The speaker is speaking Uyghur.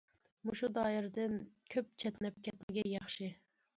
مۇشۇ دائىرىدىن كۆپ چەتنەپ كەتمىگەن ياخشى.